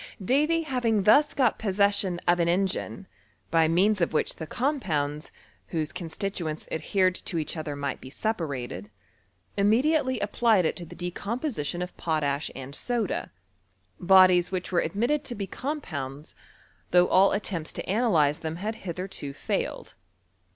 Davy having thus got possession of an engine, by meansof which the compounds, whose constituenU adhered to each other might be separated, imme diately applied it to the decomposition of potash and aoda; bodies which were admitted to be compounds, though all attempts to analyze them had hitherto failed.